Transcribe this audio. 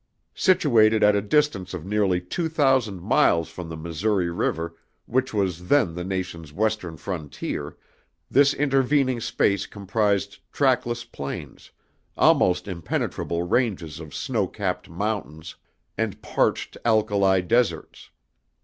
Situated at a distance of nearly two thousand miles from the Missouri river which was then the nation's western frontier, this intervening space comprised trackless plains, almost impenetrable ranges of snow capped mountains, and parched alkali deserts.